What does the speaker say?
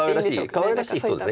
かわいらしい人です